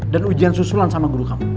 dan ujian susulan sama guru kamu